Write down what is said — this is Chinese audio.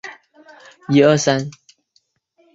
梅森县是美国德克萨斯州中部的一个县。